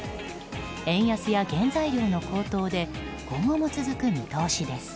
円安や原材料の高騰で今後も続く見通しです。